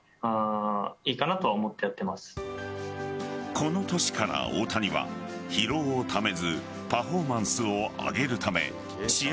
この年から大谷は疲労をためずパフォーマンスを上げるため試合